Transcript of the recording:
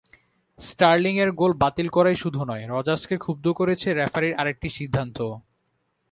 স্টার্লিংয়ের goal বাতিল করাই শুধু নয়, রজার্সকে ক্ষুব্ধ করেছে রেফারির আরেকটি সিদ্ধান্তও।